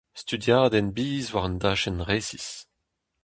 Studiadenn bizh war un dachenn resis.